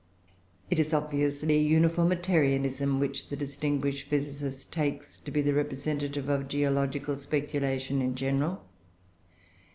It is obviously Uniformitarianism which the distinguished physicist takes to be the representative of geological speculation in general.